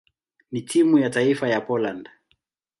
na timu ya taifa ya Poland.